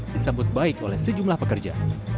disambut baik oleh sejumlah pekerja